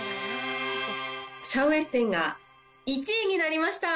シャウエッセンが、１位になりました。